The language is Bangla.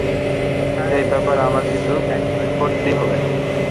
এই ব্যাপারে আমার কিছু করতেই হবে।